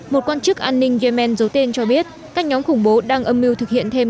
một quan chức an ninh yemen giấu tên cho biết các nhóm khủng bố đang âm mưu thực hiện thêm